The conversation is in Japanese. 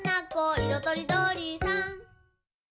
いろとりどりさん」